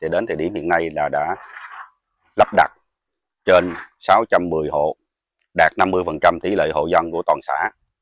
đến thời điểm hiện nay đã lắp đặt trên sáu trăm một mươi hộ đạt năm mươi tỷ lệ hộ dân của toàn xã